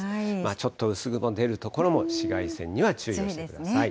ちょっと薄雲出る所も、紫外線には注意をしてください。